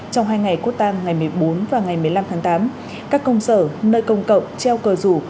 trong hai ngày quốc tăng ngày một mươi bốn và ngày một mươi năm tháng tám các công sở nơi công cộng treo cờ rủ